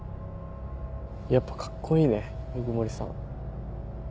やっぱカッコいいね鵜久森さん。